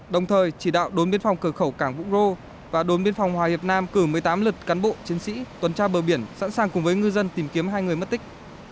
đồng thời chỉ đạo đối biên phòng cờ khẩu cảng vũ rô và đối biên phòng hòa hiệp nam cử một mươi tám lực cán bộ chiến sĩ tuần tra bờ biển sẵn sàng cùng với ngư dân tìm kiếm hai người mất tích